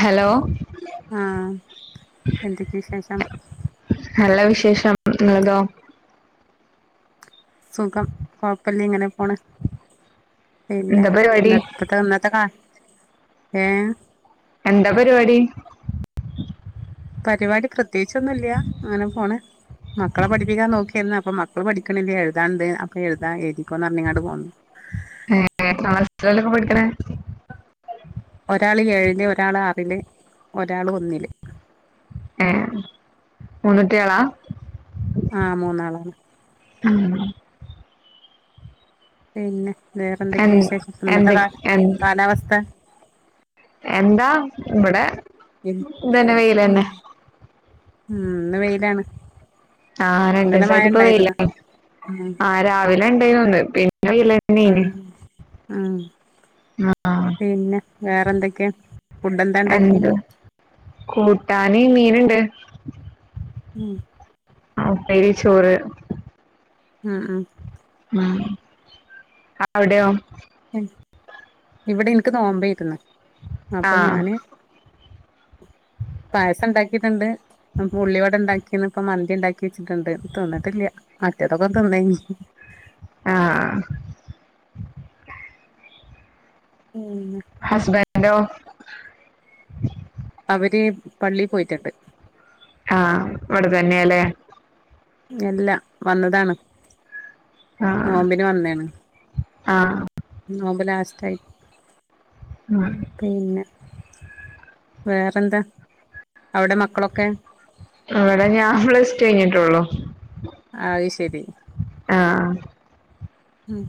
Hello ആഹ് എന്തൊക്കെ വിശേഷം നല്ല വിശേഷം ങ്ങൾതോ സുഖം കൊഴ്പ്പല്ല ങ്ങനെ പോണ് പിന്നെ എന്താ പരിപാടി ന്ന് പ്പ താ ന്നത്തെ കാണ് ഏഹ് എന്താ പരിപാടി പരിപാടി പ്രത്യേകിച്ചൊന്നും ഇല്ല്യാ അങ്ങനെ പോണ്, മക്കളെ പഠിപ്പിക്കാൻ നോക്കെയാരുന്ന് അപ്പൊ മക്കള് പഠിക്കണില്ല എഴുതാൻണ്ട് അപ്പൊ എഴുതാൻ എഴുതിക്കോന്ന് പറഞ്ഞ് ഇങ്ങാട്ട് പോന്ന് [unintelligible] പഠിക്കണെ ഒരാള് ഏഴിൽ ഒരാള് ആറില് ഒരാള് ഒന്നില് ഏഹ് മൂന്നുട്യോളാ? ആഹ് മൂന്നാളാണ് പിന്നെ വേറെന്തൊക്കെ എൻ വിശേഷം ന്നത്ത എന്ത് കാ എൻ കാലാവസ്ഥ എന്താ ഇവിടെ ഉം ഇതന്നെ ഉം വെയിലന്നെ ഇന്ന് വെയിലാണ്. ആഹ് ഇന്നലെ മഴ രണ്ടീസായിട്ടിപ്പോ ഉണ്ടായിരുന്നു വെയിലല്ലെ ഉം ആഹ് രാവിലെ ഉണ്ടായിരുന്നുന്ന് [unintelligible] ആഹ് ആഹ് ആഹ് പിന്നെ വേറെന്തൊക്കെയാ ഫുഡ് എന്താ ഉണ്ടാക്കിയെ എന്ത് കൂട്ടാന് മീന്ണ്ട് മ് തരിചോറ് മ് മ് അവിടെയോ ഇവടെ എനക്ക് നോമ്പായിരുന്ന് അപ്പ ആഹ് ഞാന് പായസണ്ടാക്കീട്ട്ണ്ട് പ്പൊ ഉള്ളിവട ണ്ടാക്കീന് പ്പം മന്തി ണ്ടാക്കി വെച്ചിട്ട്ണ്ട് തിന്ന്ട്ടില്ല മറ്റേതൊക്കെ തിന്നയ്ഞ്ഞ്. ആഹ് ഉം ഹസ്ബൻ ന്റോ അവര് പള്ളീ പോയിറ്റൊണ്ട് ആഹ് വടെതന്നെയല്ലേ ഇല്ല വന്നതാണ് ആ നോമ്പിന് വന്നേണ് ആഹ് നോമ്പ് ലാസ്റ്റായി ഉം പിന്ന വേറെന്താ? അവിടെ മക്കളൊക്കെ ഇവടെ ഞാൻ പ്ലസ് ടു കഴിഞ്ഞിട്ടൊള്ളു. അത് ശെ രി. ആഹ് ഉം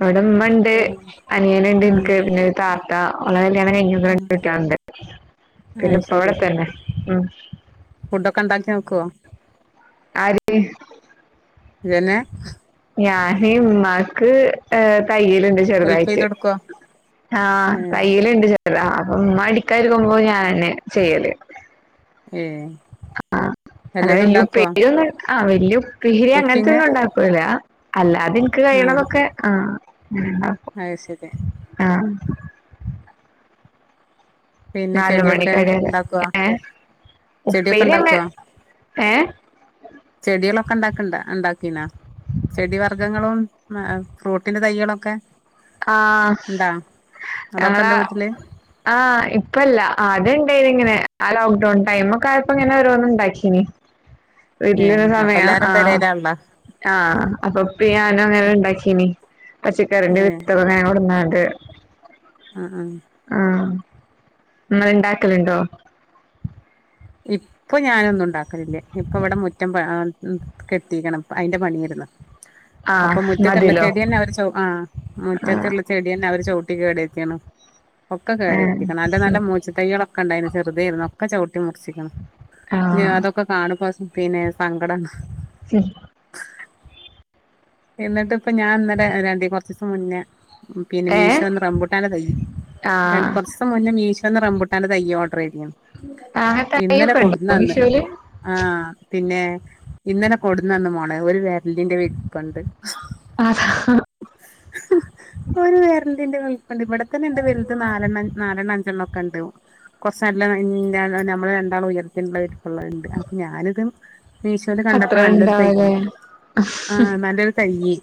ഇവിടെമ്മണ്ട് പിന്നെ അനിയനുണ്ട് ഉം എനക്ക് പിന്നെ ഒരു താത്ത അവള കല്യാണം കഴിഞ്ഞ് ഉം രണ്ട് കുട്ടികളുണ്ട് പിന്നെ അത് ഇപ്പ ശരി അവിടെ തന്നെ മ് ഫുഡൊക്കെ ഉണ്ടാക്കി നോക്കോ ആര് ഇതെന്നെ ഞാന് ഉമ്മാക്ക് കയ്യിലിണ്ട് ഹെൽപ് ചെയ്ത് ചെറ്തായിട്ട് കൊടുക്കുവോ ആ ഏ കയ്യിലിണ്ട് ചെറ്തായിട്ട് അല്ലാ ഇമ്മ അടിക്കാൻ ഇരിക്കുമ്പോ ഞാൻ തന്നെ ചെയ്യല് മ് വല്ലതും ഇണ്ടാക്കോ ആ വല്ല്യേ ഉപ് പ്പേരി അങ്ങനെത്തെ ഒന്നും ഇണ്ടാക്കൂല അല്ല അത് ഇന്ക് ആഹ് കഴിയ്ണതൊക്കെ ആ അത് ശരി [unintelligible] ആ പിന്നെ നാല് ചെടിയൊക്കെ മണിക്ക് ഇണ്ടാക്കോ [unintelligible] ഏ ചെടിയൊക്കെ ഉപ്പേര്യൊക്കെ ഇണ്ടാക്കോ ഏ ഒക്കെ ഇണ്ടാക്ണ്ടോ, ഇണ്ടാകീന്നോ ചെടി വർഗ്ഗങ്ങളും ഏ ഫ്രൂട്ട് ന്റെ തൈയേളൊക്കെ ആ അതൊക്കെ ഞങ്ങളെ ഇണ്ടോ വീട്ടില് ആ ഇപ്പല്ല ആദ്യം ഇണ്ടായിന് ഇങ്ങനെ ആ ലോക്ക് ഡൌൺ ടൈമൊക്കെ ആയപ്പോ ഇങ്ങനെ ഓരോന്ന് ഇണ്ടാകീന്ന് ഏഹ് വീട്ടിലിരുന്ന അപ്പൊ സമയം എല്ലാരും ആ പെരേലാൺല്ലോ ആ അപ്പൊ ഇപ്പേം ഞാനും അങ്ങനെ ഇണ്ടാകീന്ന് പച്ചക്കറിന്റെ വിത്ത് [unintelligible] എ മ് ഇങ്ങള്ണ്ടാക്കാല്ണ്ടോ? ഇപ്പൊ ഞാനൊന്നും ഇണ്ടാകലില്ല ഇപ്പൊ ഇവിടെ മുറ്റം ഏ കെട്ടീക്ണ് അയ്‌ന്റെ പണിയേര് ന്ന് ആഹ് അപ്പൊ മുറ്റത്ത്ള്ള മതിലോ ചെടിന്നെ അവര് ചൗ ആ ആഹ് മുറ്റത്ത്ള്ള ചെടി ന്നെ അവര് ചൗ കുട്ടി കേടര്ത്തെന്നു ഒക്കെ ഏഹ് കേടര്തീക്ണ് നല്ല നല്ല ഉം മൂച്ചി തൈയ്യേള് ഒക്കെ ഇണ്ടായിന്നു ചെറുതെന്നു ഒക്കെ ചൗ [unintelligible] ഇനി ആഹ് അതൊക്കെ കാണുമ്പോ [unintelligible] [unintelligible] സങ്കടം ഉം എന്നിട്ട്പ്പൊ ഞാൻ ഇന്നലെ രണ്ടീ കൊറചീസം മുന്നെ ഏഹ് മീഷോന്ന് റമ്പുട്ടാന് തൈയ് രണ്ട് ആഹ് കൊറച്ചൂസം മുന്നം മീഷോ- ന്ന് റമ്പുട്ടാന്റെ തൈ ഓട- ർചെയ്നി അങ്ങനെ ഇന്നലെ തയ്യൊക്കെ ഉണ്ടോ കൊണ്ടന്നന്ന് മീഷോയില് ആഹ് പിന്നെ ഇന്നലെ കൊട്ന്നന്ന്മോളെ ഒര് വെരലിന്റെ- പ്പൊണ്ട് അതാ ഒരുവെരലിന്റെ ഇവിടെ തന്നെണ്ട് വെല്ത് നാലെണ്ണം നാലെണ്ണം അഞ്ചെണ്ണൊക്കെണ്ട് കൊറച്ച് നല്ല ഞമ്മളരണ്ടാളു ഉയരത്തിനിള്ളത് ഒള്ളേണ്ട് അപ്പം ഞാനിത് മീഷോല് അത്രേണ്ടവല്ലെ ആ ന്നാലൊരുതൈയ്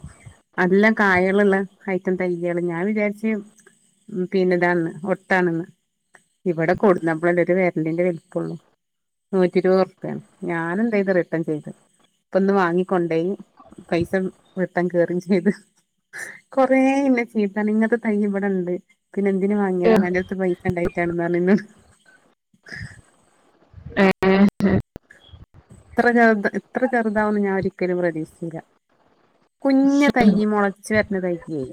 നല്ല കായലുള്ള ഹൈറ്റം തയ്യൽ ഞാവിചാരിച്ച് പിഞ താന്ന് ഒട്ടാണന്ന് ഇവിടെ കൊണ്ടന്നപ്പളല്ലെ ഇത് വെരളിന്റെ വലുപ്പൊള്ളു നൂറ്റിരുപറുപ്യ ഞാനെന്തെയ്ത് റിട്ടൺചെയ്ത് ഇപ്പിന്ന് വാങ്ങികൊണ്ടേയ് പൈസ റിട്ടൺ കേറെംചെയ്ത് കൊറേന്നെ ചീത്തറങ്ങ് ഇങ്ങനത്തെ തൈ ഇവടിണ്ട് പിന്നെന്തിന് വാങ്ങ്യതാ അന്റടുത്ത്പൈസിണ്ടായിട്ടാണ് ന്നോട് [unintelligible] ഇത്ര ചെറുത ഇത്ര ചെറുതാവുന്ന് ഞാനൊരിക്കലും പ്രതീഷിച്ചില്ല കുഞ്ഞ് തൈ മൊളക- ചേട്ടന് വയ്യേ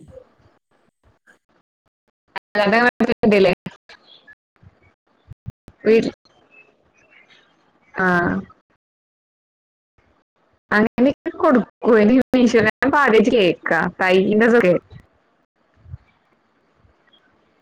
[unintelligible] ആ [unintelligible]